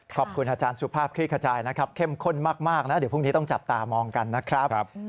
ขอบคุณอาจารย์สุภาพคลี่ขจายนะครับเข้มข้นมากนะเดี๋ยวพรุ่งนี้ต้องจับตามองกันนะครับ